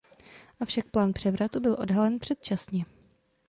Avšak plán převratu byl odhalen předčasně.